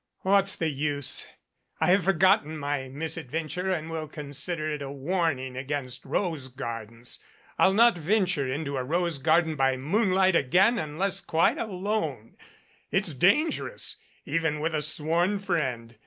What is the use? I have forgotten my mis adventure and will consider it a warning against rosegardens. I'll not venture into a rose garden by moonlight again unless quite alone. It's dangerous even with a sworn friend.